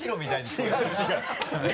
違う違う